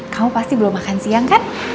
kamu pasti belum makan siang kan